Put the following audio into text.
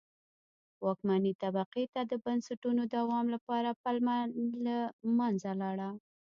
واکمنې طبقې ته د بنسټونو د دوام لپاره پلمه له منځه لاړه.